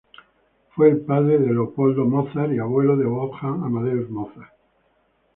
Fue el padre de Leopold Mozart y abuelo de Wolfgang Amadeus Mozart.